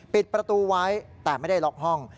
ปิดประตูไว้แต่ไม่ได้ล็อกห้อง